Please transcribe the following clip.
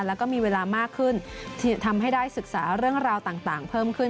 แล้วก็มีเวลามากขึ้นทำให้ได้ศึกษาเรื่องราวต่างเพิ่มขึ้น